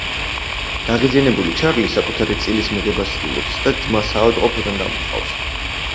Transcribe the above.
გაღიზიანებული ჩარლი საკუთარი წილის მიღებას ცდილობს და ძმა საავადმყოფოდან გამოჰყავს.